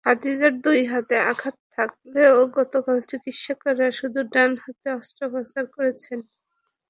খাদিজার দুই হাতে আঘাত থাকলেও গতকাল চিকিৎসকেরা শুধু ডান হাতে অস্ত্রোপচার করেছেন।